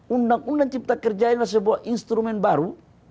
undang undang cipta kerja ini adalah sebuah instrumen baru